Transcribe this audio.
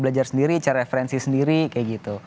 pengajar sendiri cari referensi sendiri kayak gitu